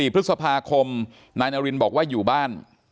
๔พฤษภาคมนายนารินบอกว่าอยู่บ้าน